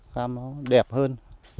cam nó đẹp hơn